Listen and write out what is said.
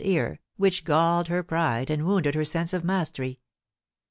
221 Longleat's ear, which galled her pride and wounded her sense of mastery.